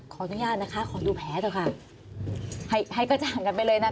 ขออนุญาตนะคะขอดูแผลเถอะค่ะให้ให้กระจ่างกันไปเลยนะคะ